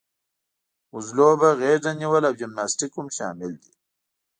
وزلوبه، غېږه نیول او جمناسټیک هم شامل دي.